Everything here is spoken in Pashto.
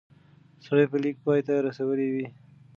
سړی به لیک پای ته رسولی وي.